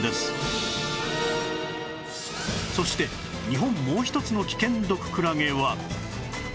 そして日本もう一つの危険毒クラゲは